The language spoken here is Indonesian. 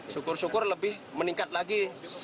syukur syukur lebih meningkat lagi